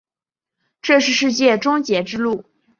这是世界终结之路。